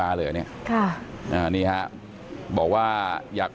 แล้วอันนี้ก็เปิดแล้ว